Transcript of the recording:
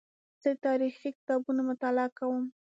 زه د تاریخي کتابونو مطالعه کوم.